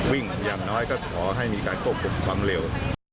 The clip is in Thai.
อย่างน้อยก็ขอให้มีการควบคุมความเร็ว